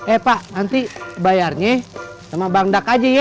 eh pak nanti bayarnya sama bang dak aja ya